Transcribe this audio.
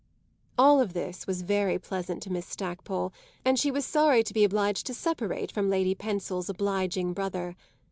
All this was very pleasant to Miss Stackpole, and she was sorry to be obliged to separate from Lady Pensil's obliging brother.